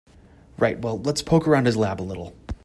Right, well let's poke around his lab a little.